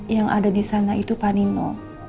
yang ada di sana itu panino